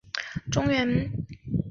中平元年。